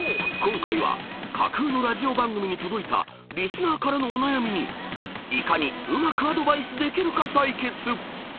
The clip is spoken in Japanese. ［今回は架空のラジオ番組に届いたリスナーからのお悩みにいかにうまくアドバイスできるか対決］